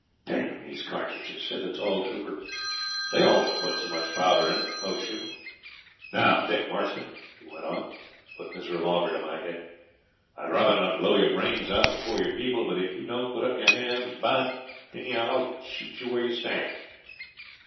'D n those cartridges,' said the tall trooper; 'they always put too much powder in them for close shooting. Now, Dick Marston!' he went on, putting his revolver to my head, 'I'd rather not blow your brains out before your people, but if you don't put up your hands by I'll shoot you where you stand.'